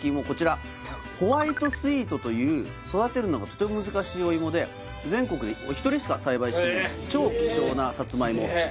こちらホワイトスイートという育てるのがとても難しいお芋で全国でお一人しか栽培していない超貴重なサツマイモ